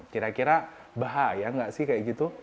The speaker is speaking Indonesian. kira kira bahaya nggak sih kayak gitu